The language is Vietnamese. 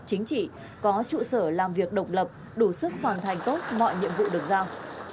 chính trị có trụ sở làm việc độc lập đủ sức hoàn thành tốt mọi nhiệm vụ được giao